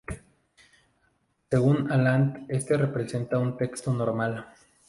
Según Aland este representa un "texto normal".